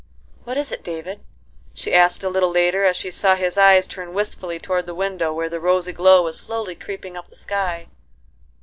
"What is it, David?" she asked a little later, as she saw his eyes turn wistfully toward the window where the rosy glow was slowly creeping up the sky.